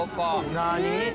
「何？」